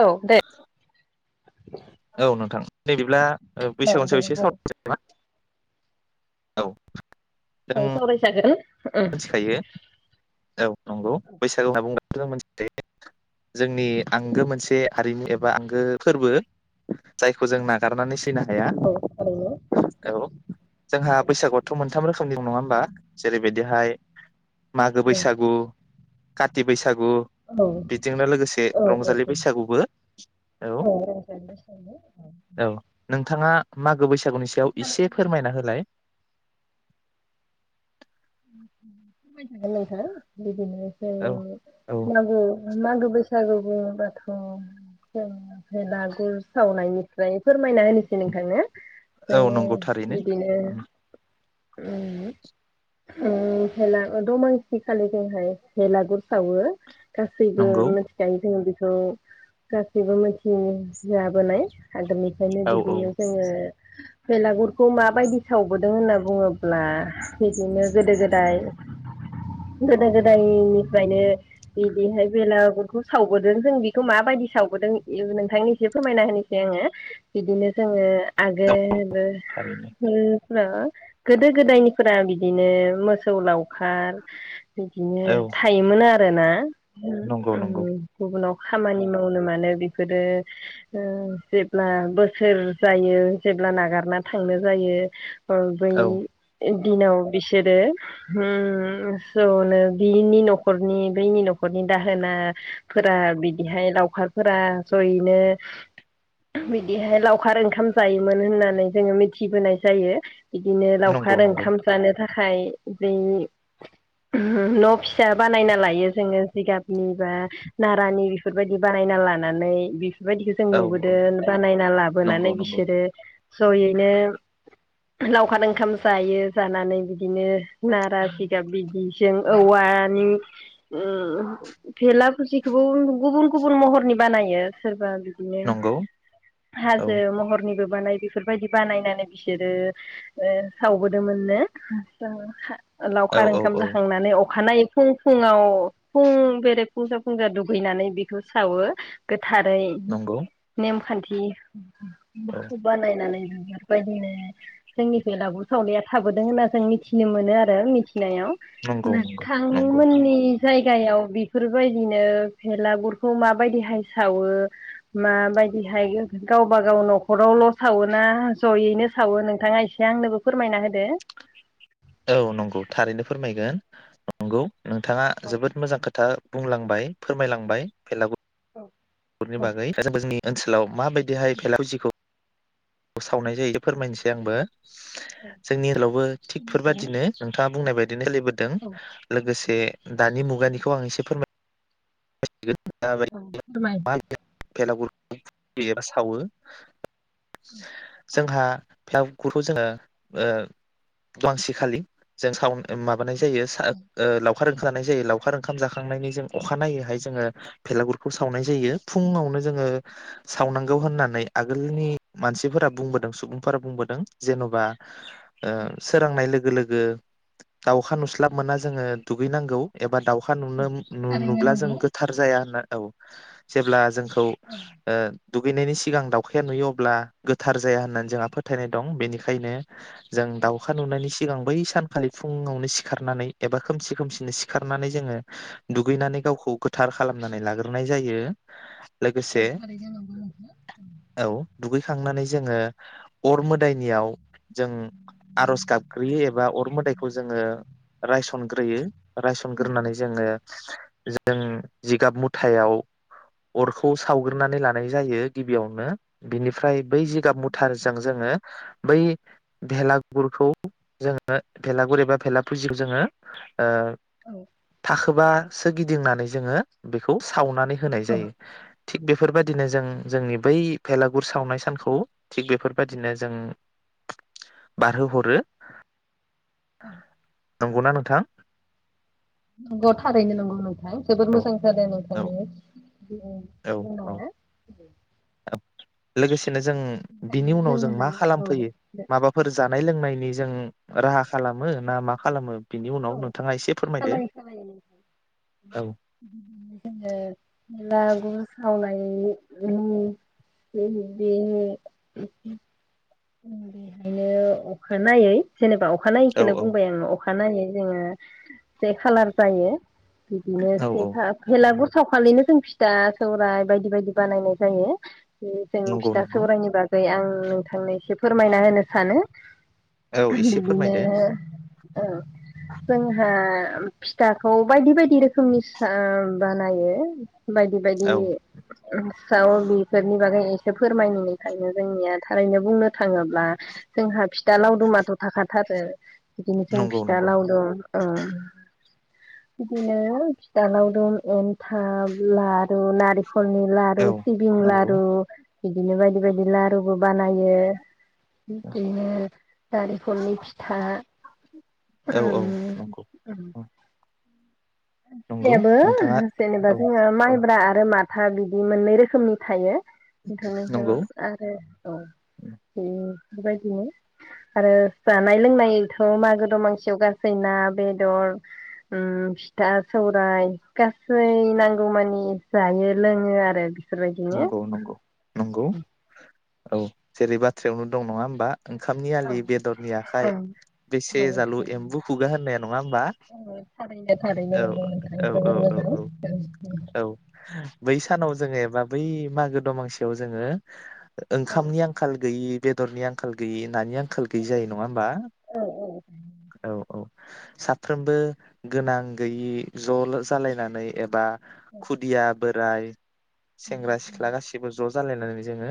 औ दे औ नोंथां [inaudible] ब्ला औ बैसागुनि दे सायाव एसे बुं सावरायसै नामा औ जों औ सावराय जागोन मिथिखायो औ नंगौ बैसागु होनना बुंबा [unintelligible] जोंनि आंगो मोनसे हारिमु एबा आंगो फोरबो जायखौ जों नागारनानै सैनो हा औ थारैनो साया औ जोंहा औ बैसागुआथ मोनथाम रोखोम नङा होमबा जेरैबायदि बेहाय मागो बैसागु काति बैसागु गु औ बिदिंनो लोगोसे औ रंजालि बैसागुबो औ औ नोंथाङा मागो बैसा बैसागुनि सायाव एसे फोरमायना होलाय खा बिदिनोसै औ औ मागो मागो बैसागो सागु बुंबाथ जों बेलागुर सावनायनि ओमफ्राय फोरमायना होनोसै नोंथांनो औ जोङो नंगौ थारैनो बिदिनो उम उम भेला दमानसिखालि जोंहाय भेलागुर सावो गासैबो नंगौ मोनथि खातों जोंङो ओ गासैबो मिथि जाबोनाय हादरनिफ्रायनो औ औ बिदिनो जोंङो बेलागुरखौ माबायदि सावबोदों होनना बुंङोब्ला बिदिनो गोदो गोदाय गोदो गोदायनिफ्रायनो बिदिहाय बेलागुरखौ सावबोदों जों बेखौ माबायदि सावबोदों नोंथांनि एसे फोरमायना होनोसै आंङो बिदिनो जोंङो आगोल [inaudible] उम थारैनो ओ गोदो गोदायनिफोरा बिदिनो बिनो मोसौ लाव खार औ बिदिनो थायोमोन आरोना। नंगौ नंगौ गुबुनाव। खामानि मावनो मानो बेफोरो ओ जेब्ला बोसोर जायो जेब्ला नागारना थांनो जायो। उम बै औ दिनाव बिसोरो उम जनो बिनि नखरनि बैनि नखरनि दाहोना फोरा बिदिहाय लावखारफोरा जयैनो बिदिहाय लावखार ओंखाम जायोमोन होननानै जोङो मिथिबोनाय जायो। बिदिनो नंगौ लावखार नंगौ ओंखाम जानो थाखाय बै न फिसा बानायना लायो जोङो जिगाबनि बा नारानि बेफोरबायदि बानायना लानानै बेबायदिखो जों औ औ नुबोदों बानायनायना नंगौ लाबोनानै नंगौ बिसोरो जयैनो लावखार ओंखाम जायो जानानै बिदिनो नारा सिगाब बिदिजों औवानि भेला फुजखौबो गुबुन गुबुन महरनि बानायो सोरबा बिदिनो नंगौ औ हाजो महरनिबो बानाय बेफोरबायदि बानायनानै बिसोरो सावबोदोंमोननो। थ' औ लावखार औ ओंखाम औ जाखांनानै अखानायै फुं फुुंआव फुं बेरे फुंजा फुंजा दुगैनानै बेखौ सावो‌। थारै नंगौ नेमखान्थि बि औ बानायनानै। बेफोरबायदिनो जोंनि बेलागुर सावनाया थाबोदों होन आरो जों मिथिनो मोनो आरो। नायाव नंगौ नंगौ नंगौ नोंथांमोननि जायग गायाव बेफोरबायदिनो भेलागुरखौ माबायदिहाय सावो माबायदिहाय गावबा गाव नखरावल सावोना जयैनो सावो नोंथाङा एसे आंनोबो फोरमायना होदो। औ नंगौ थारैनो फोरमायगोन नंगौ। नोंथाङा औ जोबोद मोजां खोथा बुंलांबाय फोरमायलांबाय भेलागुर नि औ बागै [unintelligible] ओनसोलाव माबायदिहाय भेलापुजिखौ औ सावनाय जायो फोरमायनोसै आंबो जोंनि ओनसोलावबो थिग औ फोरबायदिनो नोंथाङा बुंनाय बायदिनो सोलिबोदों औ लोगोसे एह दानि मुगानिखौ आं एसे फोरमाय [inaudible] [unintelligible] [unintelligible] औ एबा सावो [inaudible] जोंहा बेलागुरखौ जोङो ओ मानसि खालि जों साव ओ मा माबानाय जायो सा ओ लाव खार जानाय जायो लावखार ओंखाम जाखांनायनि जों अखा नायै हाय जोङो बेेलागुरखौ सावनाय जायो फुङावनो जोङो सावनांगौ होननानै आगोलनि मानसिफोरा बुंबोदों सुबुंफोरा बुंबोदों जेन'बा ओ सोरांनाय लोगो गो लोगो दाउखा नुस्लाब मोना जोङो दुगैनांगौ एबा दाउ खा नुनो मोन नुब्ला जों [unintelligible] औ जेब्ला जों औ ओ दुगैनायनि सिगां दावखाया नुयो अब्ला गोथार जाया होननानै जोंहा फोथायनाय दं बेनिखायनो जों दाउखा नुनायनि सि गां बै सानखालि फुङावनो सिखारनानै एबा खोमसि खोमसिनो सिखारनानै जोङो दुगैनानै गावखौ थार खालामनानै लाग्रोनाय जायो। औ लोगोसे थारैनो नंगौ नोंथां औ दुगैखांनानै जोङो अर मोदायनियाव जों आर'ज गाबग्रोयो एबा अर मोदाइखौ जोङो रायसनग्रोयो रायसनग्रोनानै जोङो जों जिगाब मुथायाव अरखौ खौ सावग्रोनानै लानाय जायो। गिबियावनो बिनि फ्राय बै जिगाब मुथारजों जोङो बै भेलागुरखौ जोङो भेलागुर एबा भेला फुजिखौ जोङो ओ थाखोबा सोरगिदिंनानै जोङो बेखौ सावनानै होनाय जायो थिग बेफोरबायदिनो जों जोंनि बै भेला गुर सावनाय सानखौ थिग बेफोरबायदिनो जों बारहोहरो औ नंगौना नोंथां? नंगौ थारैनो नंगौ नों अ जोबोर औ मोजां जादो औ नोंथांनिया अम [unintelligible] लोगो जों बिनि बेहायनो उनाव जों जोंना मा खालाम औ फैयो जोङो माबाफोर जा नाय लोंनायनि जों राहा खालामो ना मा खालामो बिनि उनाव औ नोंथाङा एसे फोरमायदो खालायो-खालायो औ बिदिनो जोङो भेला गुर सावनायनि अम [unintelligible] अम बेखायनो अखानायै जेनेबा अ औ अखानायैखौनो बुंबाय आङो अ अखानायै जोङो जे खालार जायो बिदिनो औ औ सेखा भेलाबुर सावखालिनो जों फिथा सौरायाइ बायदि-बायदि बानायनाय जायो। बे जों नंगौ फिथा नंगौ सौरायनि बागै आं नोंथांनि जे फोरमायना होनो सानो औ आं एसे बिदिनो फोरमायदो औ जोंहा फिथाखौ बायदि-बायदि रोखोमनि सा बानायो बायदि-बायदि औ ओ सावो बेफोरनि बागै एसे फोरमायनायनिफ्रायनो जोंनिया थारैनो बुंनो थाङोब्ला जोंहा फिथा लावदुमाथ थाखाथार ओ बिदिनो जों नंगौ फिथा नंगौ लावदुम ओ बिदिनो फिथालावदुम एन्थाब लारु नार खर लारु औ सिबिं नंगौ लारु बिदिनो बायदि-बायदि लारुबो बानायो। बिदिनो नारिेंखलनि फिथा औ औ नंगौ ओम नंगौ जेबो नोंथाङा जेनेबा औ जोङो औ माइब्रा आरो माथ हा बिदि मोननै रोखोमनि थायो। बिथांनिसिम नंगौ आरो औ बियो बेफोरबायदिनो आरो जानाय लोंनायथ मागो दमांसियाव गासै ना बेदर अम फि था सौराय गासै नांगौमानि जायो लोङो आरो फोर बायदिनो नंगौ नंगौ नंगौ औ जेरै बाथ्रायावनो दं नङा होमबा? ओंखामनि औ आलि बेदरनि आखाइ औ बेसे जालु एम्बु खुगा होननाया नङा होमबा औ औ औ औ औ औ बै सानाव जोङोबा बै मागो दमांसियाव जोङो ओंखामनि आंखाल गैयि बेदरनि आंखाल गैयि नानि आं आंखाल गैयि जायो नङा होमबा औ औ साफ्रोमबो गोनां गैयि ज लो जालायनानै एबा खुदिया बोराय सेंग्रा सिख्ला गासिबो ज जालायनानै जोङो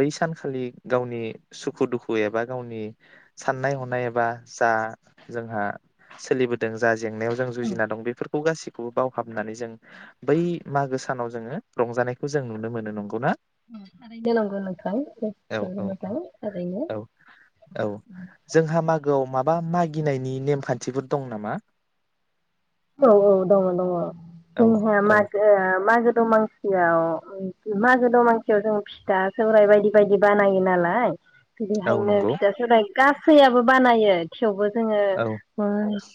बै सानखालि गावनि सुखु दुखु एबा गावनि साननाय हनाय एबा जा जोंहा सोलिबोदों जा जेंनायाव जों जुजिना दं बेफोर खौ गासिखौबो बावहाबनानै जों बै मागो सानाव जोङो रंजानाय खौ जों नुनो मोनो नंगौ ना? औ औ औ [unintelligible] गोआव माबा मागिनायनि नेमखान्थिफोर दं नामा? औ औ दङ दङ औ जोंहा औ मागोआ मागो दमासियाव ओ मागो दमासियाव जों फिथा सौरायाइ बायदि बायदि बानायो नालाय औ बिदिहायनो नंगौ फिथा सौाइ गासैआबो बानायो थेवबो जोंओ औ ओ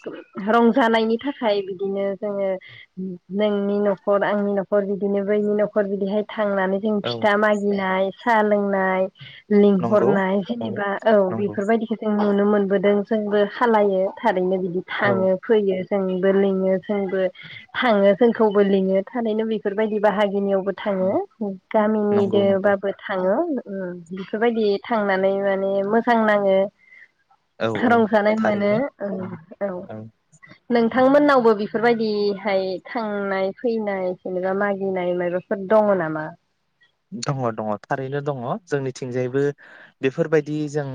गोब रं जानायनि था खा थाखाय बिदिनो जोङो नोंनि नखर आंनि नखर बिदिनो बैनि नखर बिदिहाय थांनानै जों औ फिथा मागिनाय साहा लोंनाय नंगौ लिंहरनाय जेनेबा औ नंगौ बेफोरबायदिखौ जों नुनो मोनबोदों जोंबो खालायो थारैनो बि औ थाङो फैयो जोंबो लिङो जोंबो थाङो जों खौबो लिङो थारैनो बेफोरबायदि बाहागिनियाव बो थाङो गामिनि नंगौ नंगौ दोबाबो थाङो ओम बेफोरबायदि थांनानै माने मोजां नाङो औ औ रंजानाय मोनो थारैनो ओं औ औ थांमोननावबो बेफोरबायदिहाय थांनाय फैनाय जेनेबा मागिनाय मायबाफोर दङ नामा दङ दङ थारैनो दङ जोंनिथिंजायबो बेफोरबायदि जों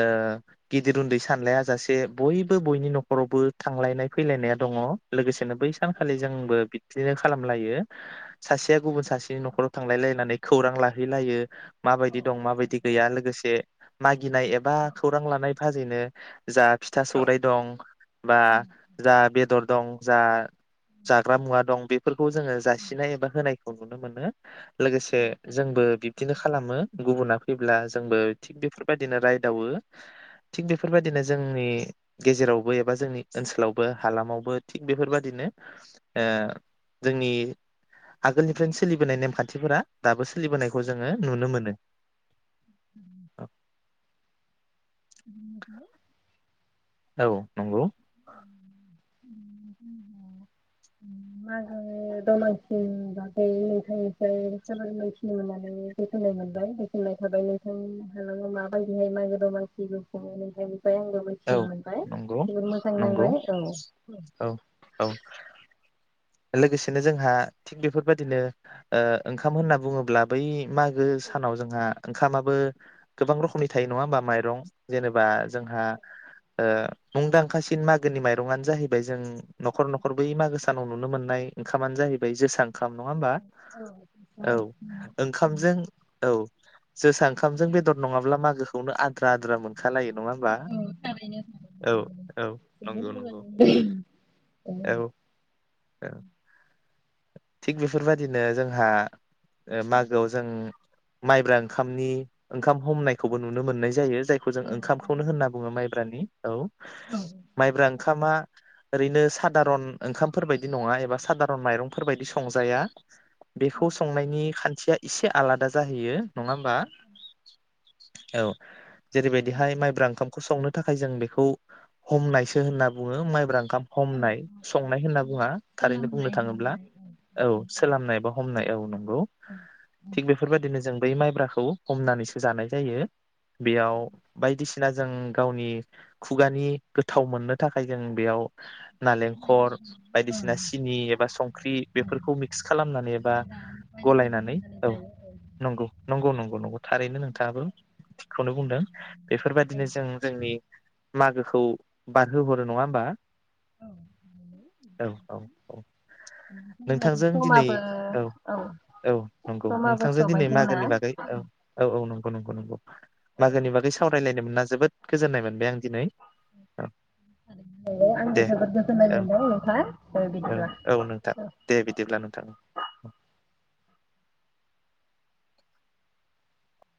ओ गिदिर उन्दै सानलाया जासे बयबो बयनि न'खरावबो थांलायनाय फैलायनाया दङ लोगोसेनो बै सानखालि जोंबो बि बिदिनो खालामलायो सासेया गुबुन सासेनि न'खराव थांलायलाय नानै खौरां लाहैलायो माबायदि दं माबायदि गैया लोगोसे माग गिनाय एबा खौरां लानाय फाजैनो जा फिथा सौरायाइ दं बा जा बेदर दं जा जाग्रा मुवा दं बे फोरखौ जोङो जासिनाय एबा होनाय नुनो मोनो लोगोसे जोंबो बिब्दिनो खालामो गुबुना फैब्ला जोंबो थिग बेफोर बादिनो रायदावो थिग बेफोरबादिनो जोंनि गेजेरावबो एबा जोंनि ओनसोलावबो हालामावबो थिक बेफोरबादिनो ओ जोंनि आगोलनिफ्रायनो सोलिबोनाय नेमखान थिफोरा दाबो सोलिबोनायखौ जोङो नुनो मोनो नोंगौ औ नंगौ मागो दमासिनि बागै नोंथांनिफ्राय मोनथिनि मोननानै गोजोननाय मोनबाय गोजोननाय थाबाय नोंथांनि नोंथाङा माबायदिहाय मागो दमानसिबो खुङो नोंथांनि ओमफ्राय आंबो औ मिथिनो मोनबाय नंगौ जोबोद मोजां नंगौ नांबाय औ औ औ लोगोसेनो जोंहा थिग बेफोरबाददिनो ओ ओंखाम होनना बुङोब्ला बै माग गो सानाव जोंहा ओंखामाबो गोबां रोखोमनि थायो नङा होमबा माइरं जेनेबा जोंहा ओ मुंदांखासिन मागोनि माइरंआनो जाहैबाय जों न'खर न'खर बै मागो सानाव नुनो मोननाय ओंखामानो जाहैबाय जोसा ओंखाम नङा होमबा औ ओंखामजों औ जोसा ओंखामजों बेदर नङाब्ला मागो खौनो आद्रा आद्रा मोनखलायो नङा ओम्बा? औ औ नंगौ नंगौ औ ओ। थिग बेफोरबायदिनो जोंहा ओ मागोआव जों माइब्रा ओंखामनि ओंखाम हमनायखौबो नुनो मोननाय जायो जायखौ जों ओंखामखौनो होनना बुंङो माइब्रानि औ माइब्रा ओंखामा ओरैनो सादारन ओंखामफोरबायदि नङा एबा सादारन माइरं फोरबायदि संजाया। बेखौ संनायनि खान्थिया एसे आलादा जाहैयो नंङा होमबा औ। जेरैबायदिहाय माइब्रा ओंखाम संनो थाखाय जों बेखौ हमनायसो होनना बुंङो माइब्रा ओंखाम हमनाय संनाय होनना बुंङा थारैनो बुंनो थांङोब्ला औ सोलानाय बा हमनाय औ नंगौ थिग बेफोरबायदिनो जों बै माइब्राखौ हमनानैसो जानाय जायो बेयाव बायदिसिना जों गावनि खुगानि गोथाव मोननो थाखाय जों बेयाव नालेंखर बायदिसिना सिनि एबा सं ख्रि बेफोरखौ मिक्स खालामनानै एबा गलायनानै औ नंगौ नंगौ नंगौ नंगौ थारैनो नं गाबु। खौनो बुंदों बेफोरबायदिनो जों जोंनि मागोखौ बारहोहरो नङा ओमबा? औ औ औ। नोंथांजों दिनै समाबो औ औ नंगौ समाबो नोंथांजों सबाय दिनै जोंना मागोनि बागै औ औ औ नंगौ नंगौ नंगौ औ मागोनि बागै सावरायलायनो मोनना जोबोद गोजोननाय मोनबाय आं दिनै। औ दे औ औ [unintelligible] औ नोंथां दे बिदिब्ला नोंथां।